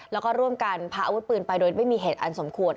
แล้วก็ร่วมกันพาอาวุธปืนไปโดยไม่มีเหตุอันสมควร